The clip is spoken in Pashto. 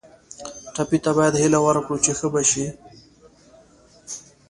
ټپي ته باید هیله ورکړو چې ښه به شي.